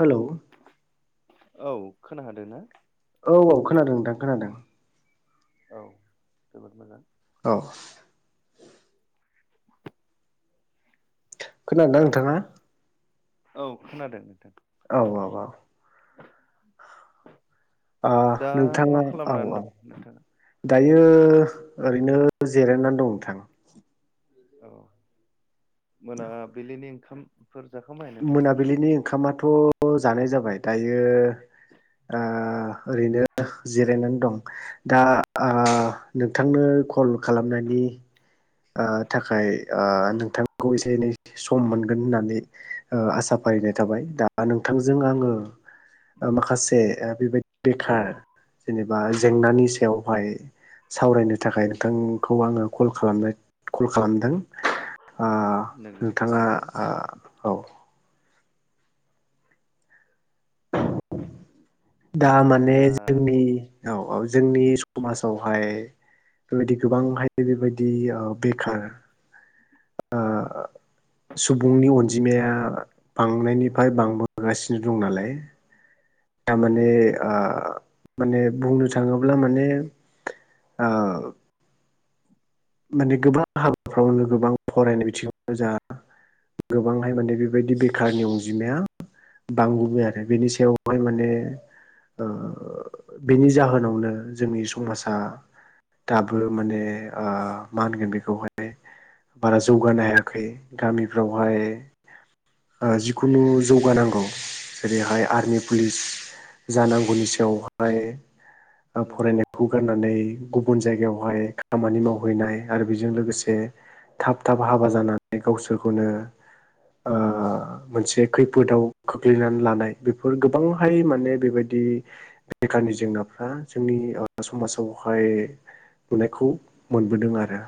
Hello. औ खोना हादो ना? औ औ खोनादों नोंथां खोनादों। औ जोबोद मोजां। औ। खोनादोंना नोंथाङा? औ खोनादों नोंथां। औ औ औ। ओ दा मा नोंथाङा औ खालामनानै औ दं नोंथाङा? दायो ओरैनो जिरायनानै दं नोंथां। औ मोनाबिलिनि ओंखाम मोनाबिलिनि ओंखामाथ' जानाय जाबाय दायो ओ ओरैनो जिरायनानै दं दा आ औ नोंथांनो कल खालामनायनि ओ थाखाय ओ नोंथांखौ एसे एनै सम मोनगोन होननानै ओ आसा फारिनाय थाबाय दा नोंथांजों आङो माखासे बेबायदि बेखार जेनेबा जेंनानि सायावहाय सावरायनो थाखाय नोंथांखौ आङो कल खालामनो कल खालामदों ओ नंगौ नोंथाङा थारैनो ओ औ। [inaudible] दा माने दा जोंनि औ औ जोंनि समाजावहाय बेबायदि गोबांहाय बेबायदि ओ बेखार आ सुबुंनि अनजिमाया बांनायनिफ्राय बांबोगासिनो दं नालाय दा माने नंगौ आ माने बुंनो थाङोब्ला माने ओ माने गोबां हाबाफ्रावनो गोबां फरायनाय बिथिङाव जा गोबांहाय माने बेबायदि बेखारनि अनजिमाया बांबोबाय आरो बेनि सायावहाय माने ओ बेनि जाहोनावनो जोंनि समाजा दाबो माने ओ मा होनगोन बेखौहाय बारा जौगानो हायाखै गामिफ्रावहाय जिखुनु जौगानांगौ जेरैहाय आर्मि पुलिस जानांगौनि सायावहाय नंगौ फरायनायखौ गारनानै गुबुन जायगायावहाय खामानि माव हैनाय आरो बेजों लोगोसे थाब थाब हाबा जानानै गावसोरखौनो ओ मोनसे खैफोदाव खोख्लैनानै लानाय बेफोर गोबांहाय माने बेबायदि बे बेखारनि जेंनाफ्रा जोंनि समाजावहाय नुनायखौ मोनबोदों आरो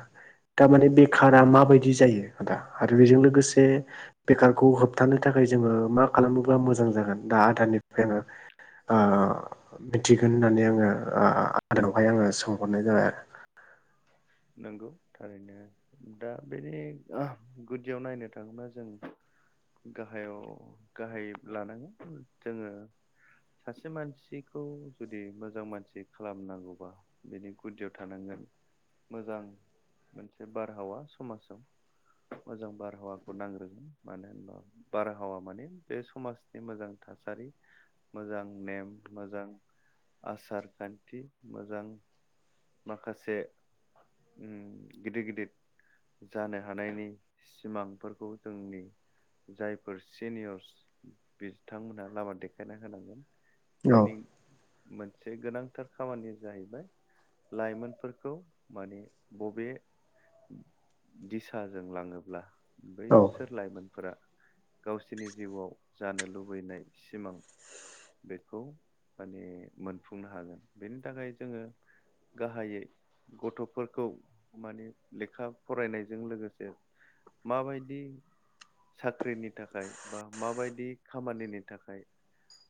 तारमाने बेखारा नंगौ माबायदि जायो आदा आरो बेजों लोगोसे बेखारखौ होबथानो थाखाय जोङो मा खालामोब्ला मोजां जागोन दा आदानि निफ्राय आङो आ मिथिगोन होननानै आङो आ आदावहाय आङो सोंहरनाय जाबाय आरो। [unintelligible] [inaudible] नंगौ थारैनो दा बेनि गुदियाव नायनो थाङोब्ला जों गाहायाव गाहाय लानाङा जोङो सासे मानसिखौ जुदि मोजां मानसि खालामनांगौबा बिनि गुदियाव थानांगोन मोजां मोनसे बारहावा समाजाव मोजां बारहावाखौ नांग्रोगोन मानो होनबा बारहावा माने बे समाजनि मोजां थासारि मोजां नेम मोजां आसार खान्थि मोजां माखासे उम गिदिर गिदिर जानो हानायनि सिमांफोरखौ जोंनि जायफोर सिनियरस बिथांमोनहा लामा देखायना होनांगोन बेनि मोनसे गोनांथार खामानिया जाहैबाय लाइमोनफोरखौ माने बबे दिसाजों लाङोब्ला बै औ सोर लाइमोन फोरा गावसोरनि जिउआव जानो लुबैनाय सिमां बेखौ माने मोनफुंनो हागोन बेनि थाखाय जोङो गाहायै गथ'फोरखौ माने लेखा फरायनायजों लोगोसे माबायदि साख्रिनि थाखाय बा माबायदि खामानिनि थाखाय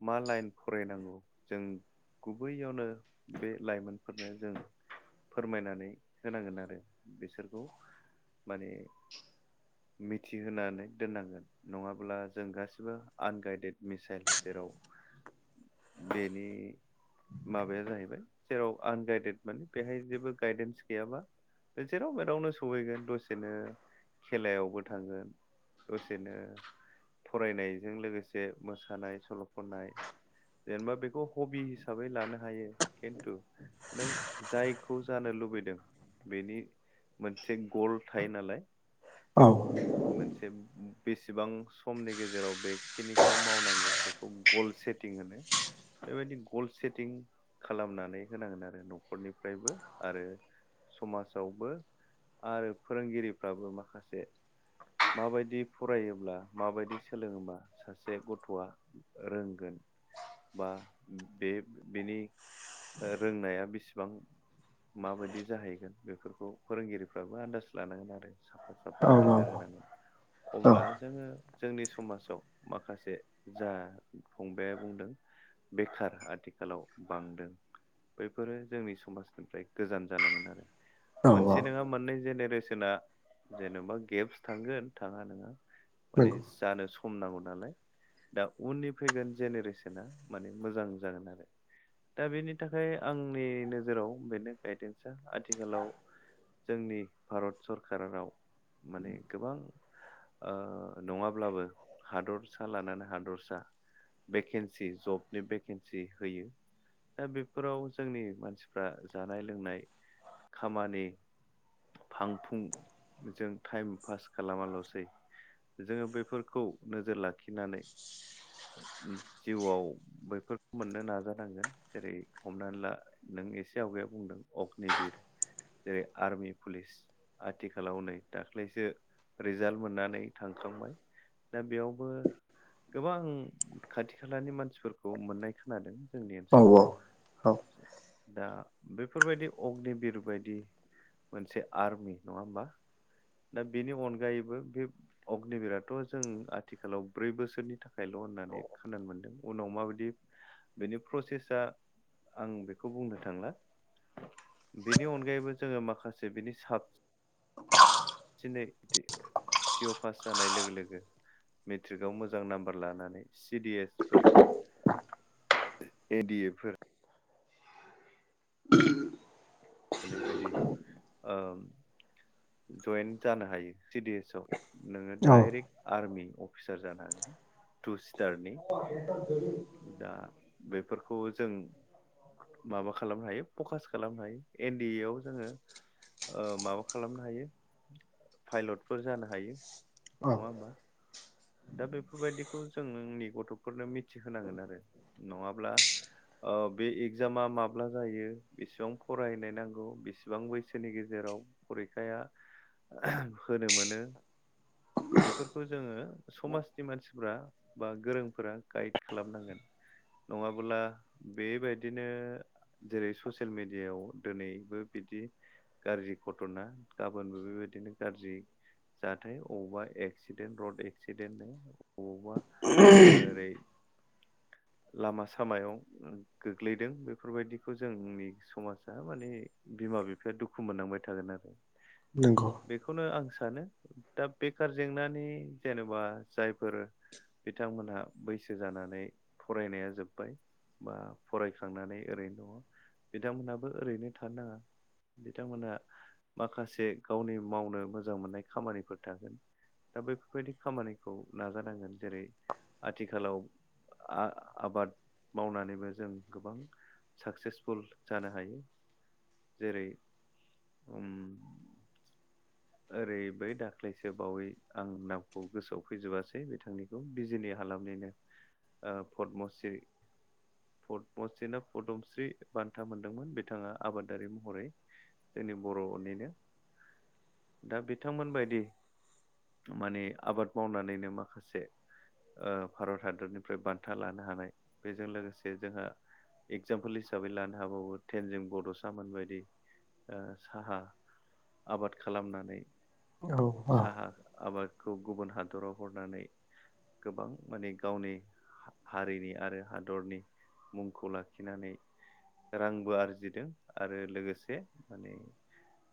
मा लाइन फरायनांगौ जों गुबैयावनो बे लाइमोनफोरनो जों फोरमायनानै होनांगोन आरो बिसोरखौ माने मिथिहोनानै दोननांगोन नङाब्ला जों गासिबो आनगाइडेड मिसाइल जेराव [unintelligible] [inaudible] बेनि माबाया जाहैबाय जेराव आनगाइदेड माने बेहाय जेबो गायदेन्स गैयाबा जेराव मेरावनो सहैगोन दसेनो खेलायावबो थांगोन दसेनो फरायनायजों लोगोसे मोसानाय सल' खननाय जेनेबा बेखौ हबि हिसाबै लानो हायो खिन्थु नों जाय खौ जानो लुबैदों बेनि मोनसे गल थायो नालाय औ मोनसे बेसेबां समनि गेजेराव बेखिनिखौ मावनांगौ बेखौ गलसे बेबायदि ग सेतिं खालामनानै होनांगोन आरो नखरनि फ्रायबो आरो समाजावबो आरो फोरोंगिरिफ्राबो माखासे माबायदि फरायोब्ला माबायदि सोलोङोबा सासे गथ'आ रोंगोन बा बे बेनि रोंनाया बेसेब बां माबायदि जाहैगोन बेफोरखौ फोरोंगिरिफ्राबो आन्दाज लानांगोन आरो सा साफा साफा औ नोजोर होनांगोन औ अब्ला जोङो जोंनि समाजाव माखासे जा फंबाया बुंदों बेखार आथिखालाव बांदों बैफोरो जोंनि समाजनिफ्राय गोजान जलाोन आरो औ औ मोनसे नङा मोननै जेर बेसेना जेनबा गेपस थांगोन थाङा ननोङा माने नंगौ जानो सम नांगौ नालाय दा उननि फैगोन जेनेरेसना माने मोजां जागोन आरो दा बेनि थाखाय आंनि नोजोराव बेनो गायदेन्सा आथिखालाव जोंनि भारत सरकाराव माने गोबां ओ नङाब्लाबो हादरसा लानानै हादरसा भेकेन्सि जबनि भेकेन्सि होयो दा बेफोराव जोंनि मानसिफ्रा जानाय लोंनाय खामानि फां फुंजों टाइम पास खालामाल'सै जोङो बेफोरखौ नोजोर लाखिनानै जिउआव बैफोर मोननो नाजानांगोन जेरै हमनानै ला नों एसे आवगैाया बुंदों अग्निबिर जेरै आर्मि पुलिस आथिखालाव नै दाख्लैसो रिजाल्ट मोननानै थांखांबाय दा बेयावबो गोबां खाथि खालानि मानसिफोरखौ मोननाय खोनादों जोंनि औ औ ओनसोलाव दा बेफोरबायदि अग्नि बिर बायदि मोनसे आर्मि नङा होमबा दा बेनि अनगायैबो बे अग्निबरथ' जों आथिखालाव ब्रै बोसोरनि थाखायल' होननानै खोनानो मोनदों उनाव माबायदि बेनि प्रसेसा आं बेखौ बुंनो थांला बेनि अनगायैबो जोङो माखासे बिनि साब दिनै पिअ पास जानाय लोगो लोगो मेट्रिकआव मोजां नाम्बार लानानै सि डिएस फोर एडि ए फोर। नानै जुदि ओ जइेन जानो हायो सि डि एस आ नोङो औ दडायरेक्ट आर्मि अफिसार जानो हागोन टु सिटारनि [unintelligible] बेफोरखौ जों माबा खालामनो हायो फकास खालामनो हायो एनड ए आव जोङो ओ माबा खालामनो हायो पाइलटफोर जानो हायो। औ नङाहोनबा दा बेफोरबायदिखौ जोंनि गथ'फोरनो मिथिहोनांगोन आरो नङाब्ला ओ बे एगजामा माब्ला जायो बेसेबां फरायनाय नांगौ बेसेबां बैसोनि गेजेराव फरिखाया होनो मोनो बेफोरखौ जोङो समाजनि मानसिफोरा बा गोरोंफोरा गाइड खालामनांगोन नङाबोला बेबायदिनो जेरै ससियेल मिडियाायाव दिनैबो। बिदि गाज्रि घटना गाबोनबो बेबायदिनो गाज्रि जाथाय अबावबा एक्सिडेन्ट रड एक्सिडेन्टनो बबावबा ओरै [inaudible] लामा सामायाव गोग्लैदों बेफोरबायदिखौ जोंनि समाजा माने बिमा बिफाया दुखु मोननांबाय थागोन आरो नंगौ बेखौनो आं सानो दा बेखार जेंनानि जेनेबा जायफोर बिथांमोनहा बैसो जानानै फरायनाया जोब्बाय बा फरायखांनानै ओरैनो दङ बिथांमोनहाबो ओरैनो थानो नाङा बिथांमोनहा माखासे गावनि मावनो मोजां मोननाय खामानिफोर थागोन दा बेैफोरबायदि खामानिखौ नाजानांगोन जेरै आथिखालाव आ आबाद मावनानैबो जों गोबां साक्सेसफुल जानो हायो जेरै उम ओरै बै दाख्लैसो बावै आं नामखौ गोसोआव फैजोबासै बिथांनिखौ बिजनि ह हालामनिनो पदमश्रि पदमस्रिना पदमस्रि बान्था मोनदोंमोन बिथाङा आबादारि महरै। जोंनि बर'निनो दा बिथांमोनबायदि माने आबाद मावनानैनो माखासे ओ भारत हादरनिफ्राय बान्था लानो हानाय बेजों लोगोसे जोंहा एगजामपोल हिसाबै लानो हाबावो ट्रेनजों बड'सामोन बायदि। ओ साहा आबाद खालामनानै। औ औ साहा आबादखौ गुबुन हादराव हरनानै गोबां माने गावनि हारिनि आरो हादरनि मुंखौ लाखिनानै रांबो आरजिदों आरो लोगोसे माने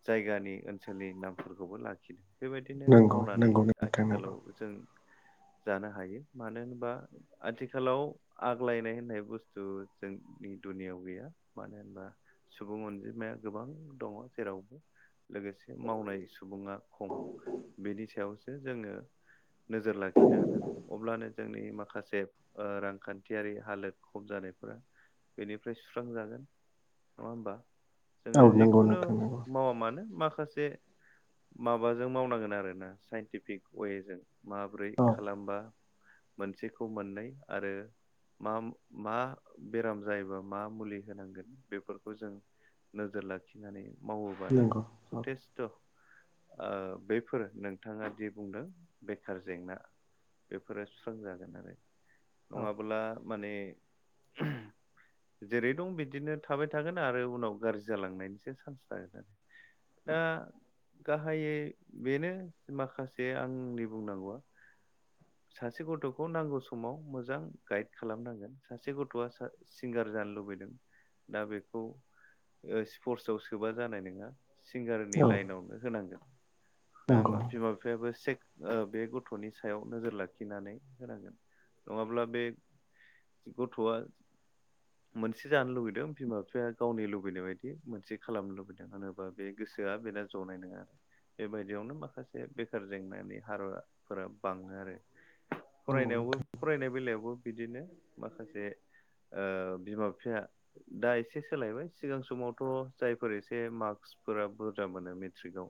जायगानि ओनसोल ओनसोलनि नामफोरखौबो लाखिदों बेबायदिनो नंगौ मावनानै नंगौ नोंथां नंगौ आथिखालाव जों। जानो हायो मानो होनबा आथिखालाव आग्लायनाय होननाय बुस्थु जोंनि दुनियाव गैया मानो होनबा सुबुं अनजिमाया गोबां दङ जेरावबो। लोगोसे मावनाय सुबुङा खम बेनि सायावसो जोङो। नोजोर लाखिनांगोन आरो अब्लानो जोंनि माखासे रांखान्थियारि हालोद खम जानाय बेनिफ्राय सुस्रांजागोन नङा हबा। औ जोङो नंगौ जिखुनु नोंथां नंगौ मावा मानो माखासे माबाजों मावनांगोन आरोना साइन्टिफिक अवेजों माबोरै औ खालामबा मोनसेखौ मोननै आरो मा मा बेराम जायोबा मा मुलि होनांगोन बेफोरखौ जों। नोजोर लाखिनानै मावोबानो नंगौ औ जथेस ओ बेफोर नोंथाङा दि बुंदों बेखार जेंना बेफोरो सुस्रां जागोन आरो औ नङाब्ला माने। [unintelligible] जेरै दं बिदिनो थाबाय थागोन आरो उनाव गाज्रि जालांनायनिसो चान्स थागोन आरो। दा गाहायै बेनो माखासे आंनि बुंनांगौआ। सासे गथ'खौ नांगौ समाव मोजां गाइड खालामनांगोन सासे गथ'आ सिंगार गार जानो लुबैदों दा बेखौ ओ सिप्रतसआव सोबा जानाय नङा। नि औ लाइनो होनांगोन नङा नंगौ हा बिमा बिफायाबो सेक ओ बे गथ'नि सायाव नोजोर लाखिनानै होनांगोन नङाब्ला बे गथ'व। मोनसे जानो लुुबैदों बिमा बिफाया गावनि लुबैनाय बायदि मोनसे खालामनो लुबैदों होनोबा बे गोसो सोआ बेना जनाय नङा आरो बेबायदियावनो माखासे बेखार जेंनानि कारनफोरा बांङो। आरो नंगौ फरायनायावबो नोंथां फरायनाय बेलायावबो बिदिनो माखासे ओ बिमा बिफाया दा एसे सोलायबाय सिगां समावथ' जायफोर एसे मास्क फोर बुरजा मोनो मेट्रिकआव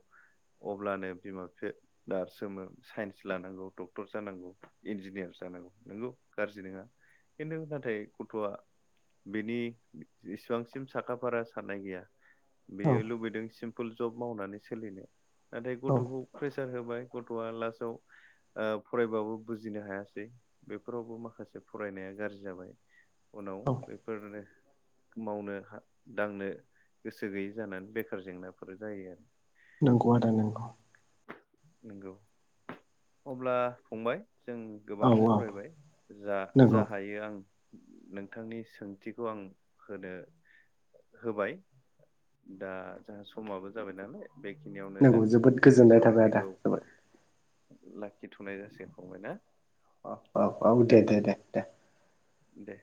अब्लानो बिमा बिफाया दारसोमो साइन्स लानांगौ डक्टर जानांगौ इन्जिनियार जा नंगौ गाज्रि नङा खिन्थु नाथाय गथ'आ बेनि जसिबांसि सिम साखाफारा साननाय गैया औ बेयो लुबैदों सिम्पोल जब मावनानै सोलिनो नाथाय औ गथ'खौ प्रेसार होब गथ' ला ओ फरायबाबो बुजिनो हायासै बेफोरावबो माखासे फ बायनाया गाज्रि जाबाय उनाव औ बेफोरनो मावनो दांनो गोसो गैयै जानानै बेखार जेंनाफोर जायो आरो नोंगौ नोंथां नंगौ। नंगौ अब्ला फंबाय जों औ गोबां औ सावरायबाय जा जा नंगौ हायो आं नोंथांनि सोंथिखौ आं होनो होबाय [inaudible] समाबो जाबाय नालाय बेखिनियावनो जों नंगौ जोबोद जोंनि गोजोननाय थाबाय आदा सावरायनायखौ जोबोद लाखिथनाय जासिगोन फंबाय ना। अ दे दे दे दे दे